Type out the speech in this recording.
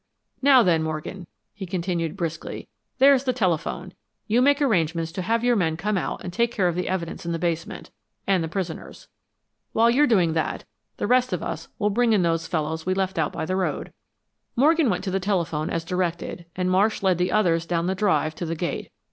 '" "Now then, Morgan," he continued, briskly, "there's the telephone. You make arrangements to have your men come out and take care of the evidence in the basement, and the prisoners. While you're doing that, the rest of us will bring in those fellows we left out by the road." Morgan went to the telephone as directed, and Marsh led the others down the drive to the gate.